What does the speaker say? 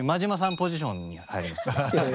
ポジションに入りますから。